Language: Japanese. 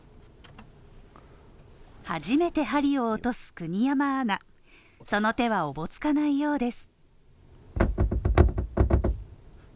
初めて針を落とす国山アナ、その手はおぼつかないようです。